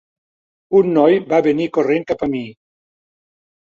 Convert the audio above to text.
Un noi va venir corrent cap a mi.